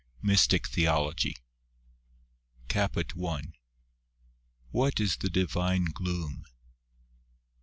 MYSTIC THEOLOGY. CAPUT I. What is the Divine Gloom